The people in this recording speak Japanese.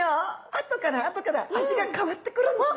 あとからあとから味が変わってくるんです。